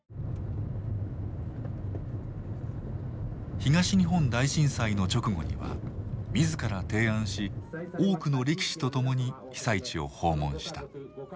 東日本大震災の直後には自ら提案し多くの力士と共に被災地を訪問した。